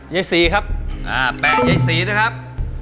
กิเลนพยองครับ